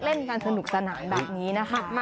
เล่นกันสนุกสนานแบบนี้นะคะ